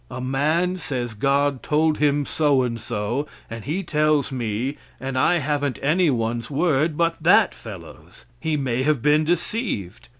A man says God told him so and so, and he tells me, and I haven't anyone's word but that fellow's. He may have been deceived.